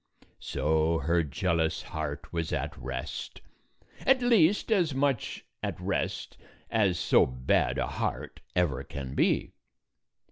So her jealous heart was at rest — at least as much at rest as so bad a heart ever can be.